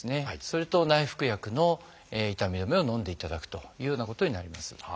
それと内服薬の痛み止めをのんでいただくというようなことになります。